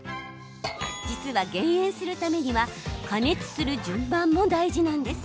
実は、減塩するためには加熱する順番も大事なんです。